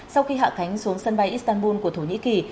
sau khi hạ cánh xuống sân bay istanbul của thổ nhĩ kỳ